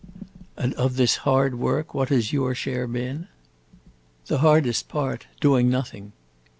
"And of this hard work what has your share been?" "The hardest part: doing nothing."